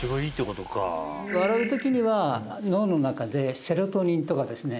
笑うときには脳の中でセロトニンとかですね